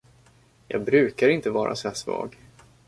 Jag brukar inte vara så här svag.